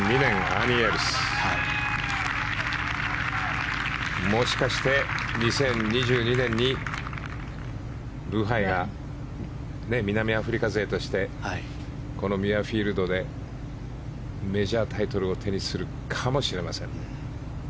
アーニー・エルスもしかして、２０２２年にブハイが南アフリカ勢としてこのミュアフィールドでメジャータイトルを手にするかもしれません。